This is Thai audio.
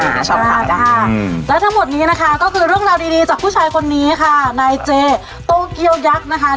ใช่ค่ะและทั้งหมดนี้นะคะก็คือเรื่องราวดีดีจากผู้ชายคนนี้ค่ะนายเจโตเกียวยักษ์นะคะ